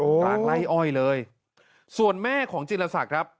กลางไล่อ้อยเลยส่วนแม่ของจิลศักดิ์ครับ